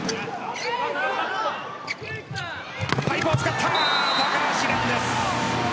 パイプを使った、高橋藍です。